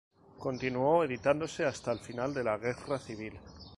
Continuó editándose hasta el final de la Guerra civil.